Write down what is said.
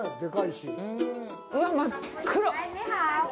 うわ、真っ黒！